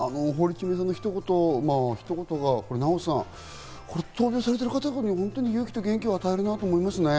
堀ちえみさんのひと言ひと言がナヲさん、闘病されていることに勇気と元気を与えるなと思いますね。